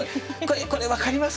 これ分かります？